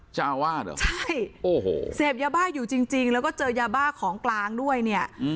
เจ้าอาวาสเหรอใช่โอ้โหเสพยาบ้าอยู่จริงแล้วก็เจอยาบ้าของกลางด้วยเนี่ย